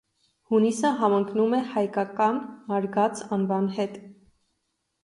Հունիսը համընկնում է հայկական մարգաց անվան հետ։